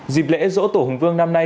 dịp lễ dỗ tổ hùng vương năm nay